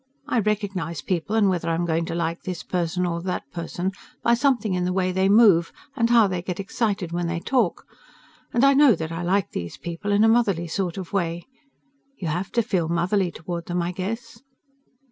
I recognize people and whether I am going to like this person or that person by something in the way they move and how they get excited when they talk; and I know that I like these people in a motherly sort of way. You have to feel motherly toward them, I guess.